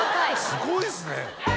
すごいっすね。